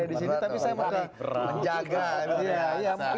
terima kasih bang rey disini tapi saya mau ke